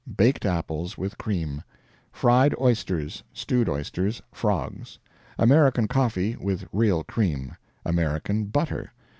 Baked apples, with cream Fried oysters; stewed oysters. Frogs. American coffee, with real cream. American butter.